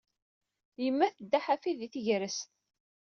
Yemma tedda ḥafi di tegrest.